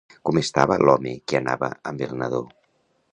Com estava l'home que anava amb el nadó?